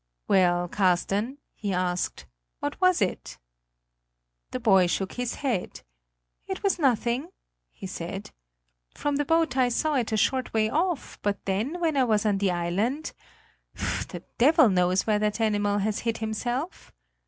"Well, Carsten," he asked, "what was it?" The boy shook his head. "It was nothing!" he said. "From the boat I saw it a short way off; but then, when I was on the island the devil knows where that animal has hid himself!